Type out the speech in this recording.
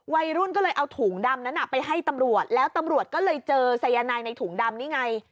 วัยรุ่นก็เลยเอาถุงดำนั้นไปให้ตำรวจแล้วตำรวจก็เลยเจอสายนายในถุงดำนี่ไง